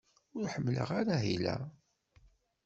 Ur ḥemmleɣ ara ahil-a.